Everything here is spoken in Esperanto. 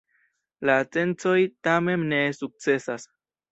La atencoj tamen ne sukcesas.